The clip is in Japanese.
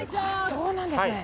そうなんですね。